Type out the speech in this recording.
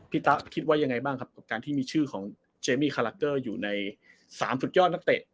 พี่ต๊อคที่ว่ายังไงบ้างครับกับการที่มีชื่อของเจมมีอยู่ในสามสุดยอดนักเตะ